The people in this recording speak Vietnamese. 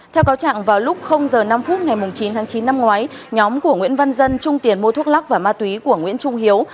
theo cáo trạng vào lúc giờ năm phút ngày chín tháng chín năm ngoái nhóm của nguyễn văn dân trung tiền mua thuốc lắc và ma túy của nguyễn trung hiếu